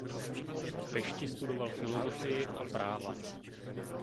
V Pešti studoval filozofii a práva.